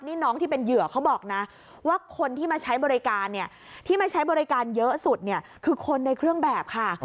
นี่น้องที่เป็นเหยื่อเขาบอกนะว่าคนที่มาใช้บริการเยอะสุดคือคนในเครื่องแบบค่ะ